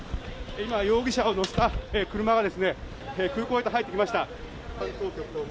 今、容疑者を乗せた車が空港へと入っていきました。